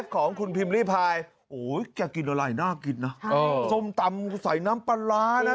ของคุณพิมพ์ริพายโอ้โหแกกินอะไรน่ากินนะส้มตำใส่น้ำปลาร้านะ